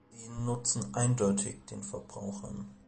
Sie nutzen eindeutig den Verbrauchern.